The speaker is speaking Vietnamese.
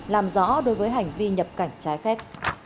làm rõ đối với hành vi nhập cảnh trái phép